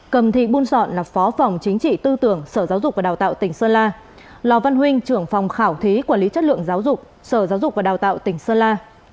cầm thị buôn sọn là phó phòng chính trị tư tưởng sở giáo dục và đào tạo tỉnh sơn la lò văn huynh trưởng phòng khảo thí quản lý chất lượng giáo dục sở giáo dục và đào tạo tỉnh sơn la